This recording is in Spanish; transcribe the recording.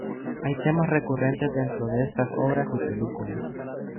Hay temas recurrentes dentro de estas obras y películas.